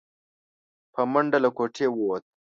په منډه له کوټې ووت.